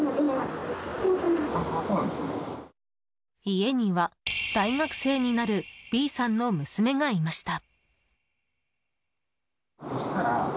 家には大学生になるＢさんの娘がいました。